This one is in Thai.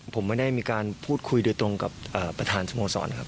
ผมไม่ได้มีการพูดคุยโดยตรงกับประธานสโมสรครับ